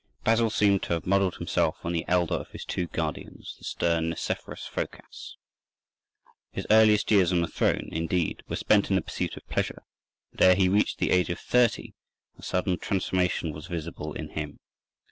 Basil seemed to have modelled himself on the elder of his two guardians, the stern Nicephorus Phocas. His earliest years on the throne, indeed, were spent in the pursuit of pleasure, but ere he reached the age of thirty a sudden transformation was visible in him.